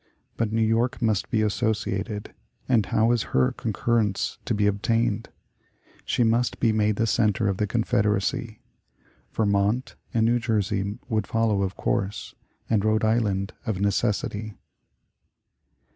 But New York must be associated; and how is her concurrence to be obtained? She must be made the center of the Confederacy. Vermont and New Jersey would follow of course, and Rhode Island of necessity."